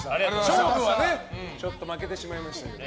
勝負は負けてしまいましたけど。